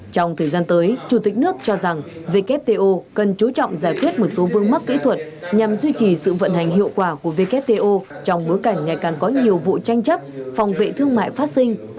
trong thời gian tới chủ tịch nước cho rằng wto cần chú trọng giải quyết một số vương mắc kỹ thuật nhằm duy trì sự vận hành hiệu quả của wto trong bối cảnh ngày càng có nhiều vụ tranh chấp phòng vệ thương mại phát sinh